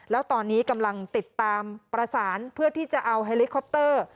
แล้วตอนนี้กำลังติดตามประสานเพื่อที่จะเอาเฮลิคอปเตอร์